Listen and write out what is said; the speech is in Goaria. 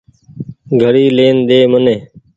گھڙي لين ۮي مني ۔